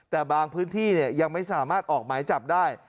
แต่บางพื้นที่ยังไม่สามารถออกหมายจับได้